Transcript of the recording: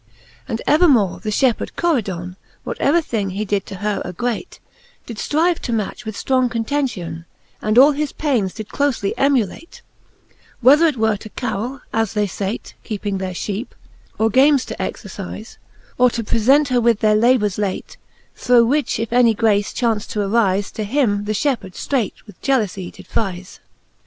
And evermore the fliepheard Coridon, What ever thing he did her to aggrate, Did ftrive to match with ftrong contention, And all his paines did clofely emulate j Whether it were to caroll, as they fate Keeping their fheepe, or game to exercize, Or to prefent her with their labours late ; Through which, if any grace chaunft to arize To him, the fhepheard ftreight with jealoufie did frize.